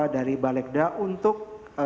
dari balegda untuk